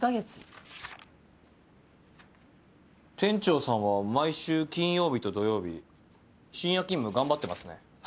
店長さんは毎週金曜日と土曜日深夜勤務頑張ってますね。